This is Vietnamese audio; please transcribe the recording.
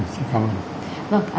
xin cảm ơn